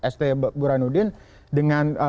st burhanuddin dengan